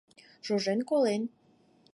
Шужен колен.